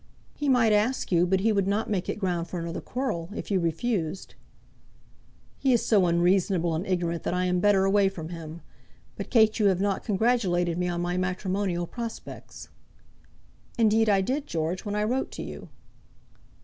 "He might ask you, but he would not make it ground for another quarrel, if you refused." "He is so unreasonable and ignorant that I am better away from him. But, Kate, you have not congratulated me on my matrimonial prospects." "Indeed I did, George, when I wrote to you."